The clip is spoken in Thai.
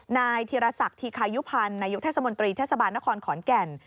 นายธิรษฐธิคายุพรรณนายุคแทศมนตรีทศนครขอนแก่น